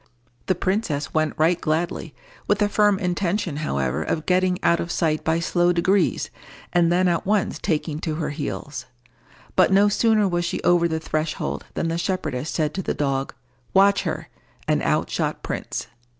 The princess went right gladly, with the firm intention, however, of getting out of sight by slow degrees, and then at once taking to her heels. But no sooner was she over the threshold than the shepherdess said to the dog, "Watch her;" and out shot Prince.